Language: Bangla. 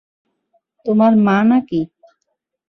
তোমার মা নাকি?